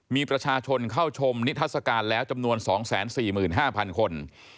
มีประชาชนเข้าชมนิทัศกาลแล้วจำนวน๒๔๕๐๐คน